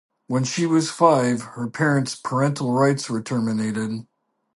When she was five, her parents' parental rights were terminated.